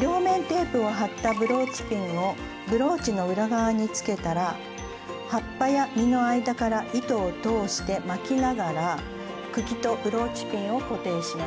両面テープを貼ったブローチピンをブローチの裏側につけたら葉っぱや実の間から糸を通して巻きながら茎とブローチピンを固定します。